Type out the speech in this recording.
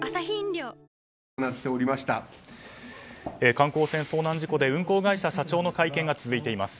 観光船遭難事故で運航会社社長の会見が続いています。